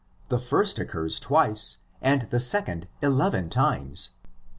the first occurs twice and the second eleven times.